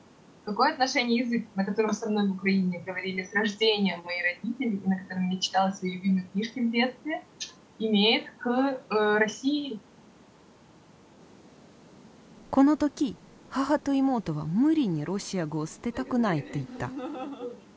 この時母と妹は無理にロシア語を捨てたくないと言った。